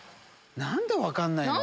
何で分かんないの？